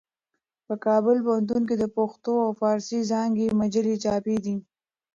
په کابل پوهنتون کې د پښتو او فارسي څانګې مجلې چاپېدې.